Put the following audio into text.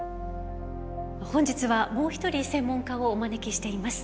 本日はもう一人専門家をお招きしています。